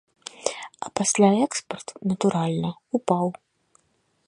А пасля экспарт, натуральна, упаў.